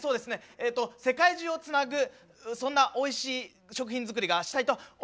えっと世界中をつなぐそんなおいしい食品づくりがしたいと思っています。